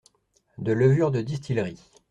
de levure de distillerie.